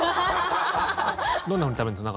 どんなふうに食べるんですか？